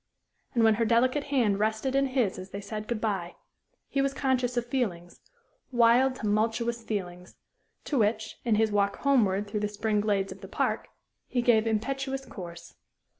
And when her delicate hand rested in his as they said good bye, he was conscious of feelings wild, tumultuous feelings to which, in his walk homeward through the spring glades of the park, he gave impetuous course.